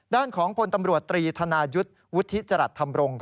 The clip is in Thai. ด้านของพลตำรวจตรีธนายุทธ์วุฒิจรัสธรรมรงค์